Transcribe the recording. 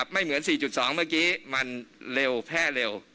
ไม่เหมือน๔๒เมื่อกี้มันเร็วแพร่เร็ว